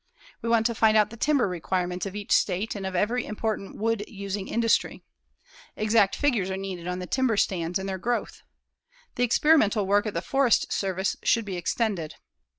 We want to find out the timber requirements of each state and of every important wood using industry. Exact figures are needed on the timber stands and their growth. The experimental work of the Forest Service should be extended.